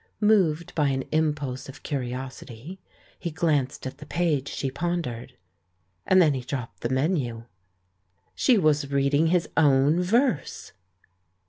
Moved by an impulse of curiosity, he glanced at the page she pondered, and then he dropped the menu : she was reading his own verse!